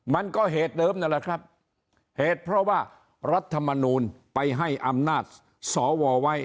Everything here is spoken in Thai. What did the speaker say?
มันก็เหตุเดิมนั่นแหละครับเหตุเพราะว่ารัฐมนูลไปให้อำนาจสวไว้